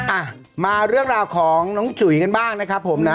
อ่ะมาเรื่องราวของน้องจุ๋ยกันบ้างนะครับผมนะ